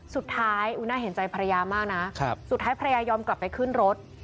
สุดท้ายอุณหาเห็นใจพระยามากนะสุดท้ายพระยายอมกลับไปขึ้นรถ